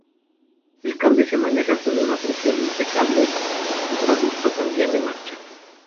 El cambio se maneja con una precisión impecable y da gusto cambiar de marcha.